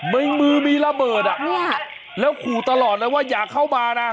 เมื่อมือมีระเบิดแล้วขู่ตลอดเลยว่าอย่าเข้ามาน่ะ